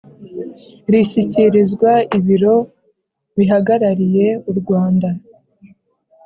rishyikirizwa ibiro bihagarariye u Rwanda